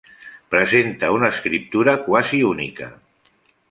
Presenta una escriptura quasi única.